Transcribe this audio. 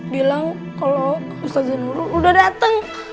bilang kalau ustadz zanmuru udah dateng